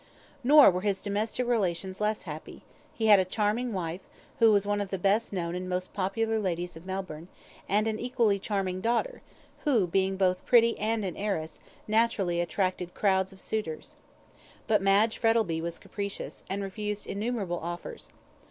Nor were his domestic relations less happy he had a charming wife, who was one of the best known and most popular ladies of Melbourne, and an equally charming daughter, who, being both pretty and an heiress, naturally attracted crowds of suitors. But Madge Frettlby was capricious, and refused innumerable offers.